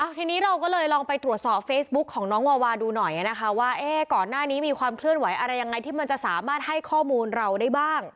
ทีนี้เราก็เลยลองไปตรวจสอบเฟซบุ๊กของน้องวาวาดูหน่อยนะคะว่าก่อนหน้านี้มีความเคลื่อนไหวอะไรยังไงที่มันจะสามารถให้ข้อมูลเราได้บ้าง